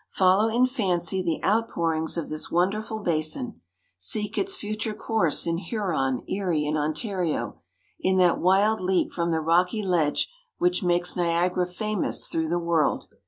Follow in fancy the outpourings of this wonderful basin; seek its future course in Huron, Erie, and Ontario in that wild leap from the rocky ledge which makes Niagara famous through the world.